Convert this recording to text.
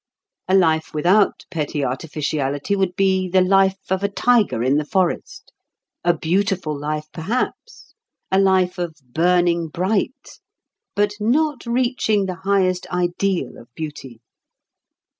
A life without petty artificiality would be the life of a tiger in the forest. A beautiful life, perhaps, a life of "burning bright," but not reaching the highest ideal of beauty!